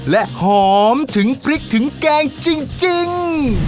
และหอมถึงพริกถึงแกงจริง